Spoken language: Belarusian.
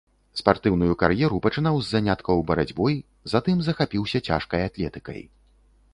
Спартыўную кар'еру пачынаў з заняткаў барацьбой, затым захапіўся цяжкай атлетыкай.